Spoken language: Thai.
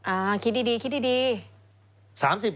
อ่าคิดดี